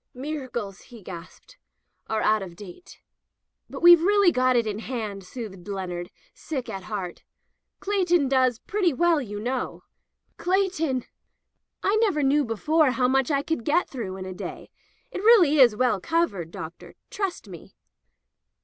"Miracles," he gasped, "are out of date." " But we've really got it in hand," soothed Leonard, sick at heart. "Cleighton does pretty well, you know." "Cleighton!" "I never knew before how much I could get through in a day. It really is well covered. Doctor. Trust me."